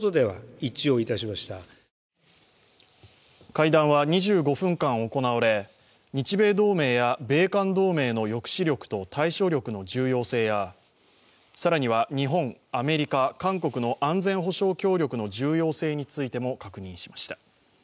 会談は２５分間行われ、日米同盟や米韓同盟の抑止力と対処力の重要性や更には日本、アメリカ、韓国の安全保障協力の重要性についても確認しました。